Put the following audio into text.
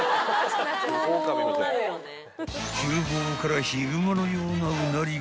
［厨房からヒグマのようなうなり声］